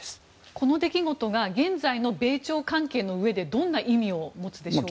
この出来事が現在の米朝関係のうえでどんな意味を持つでしょうか。